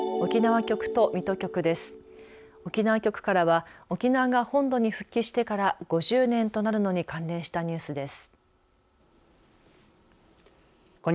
沖縄局からは沖縄が本土に復帰してから５０年となるのに関連したニュースです。